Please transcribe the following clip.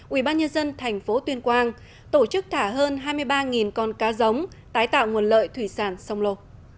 ubnd tp tuyên quang tổ chức thả hơn hai mươi ba con cá giống tái tạo nguồn lợi thủy sản sông lô